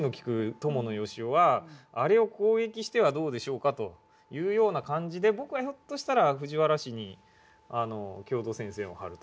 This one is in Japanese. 伴善男はあれを攻撃してはどうでしょうかというような感じで僕はひょっとしたら藤原氏に共同戦線を張ると。